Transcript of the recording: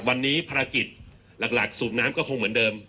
วันนี้ภารกิจหลักสูบน้ำก็คงเหมือนเดิม